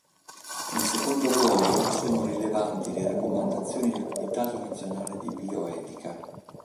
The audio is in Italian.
In secondo luogo sono rilevanti le raccomandazioni del Comitato Nazionale di Bioetica.